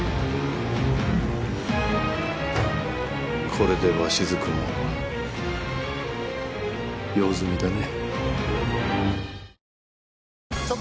これで鷲津君も用済みだね。